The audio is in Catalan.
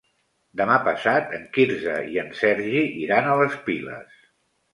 Demà passat en Quirze i en Sergi iran a les Piles.